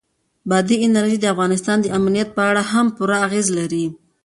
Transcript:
بادي انرژي د افغانستان د امنیت په اړه هم پوره اغېز لري.